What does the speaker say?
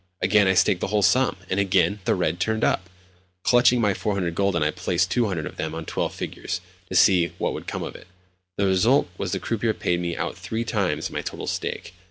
Again I staked the whole sum, and again the red turned up. Clutching my 400 gülden, I placed 200 of them on twelve figures, to see what would come of it. The result was that the croupier paid me out three times my total stake!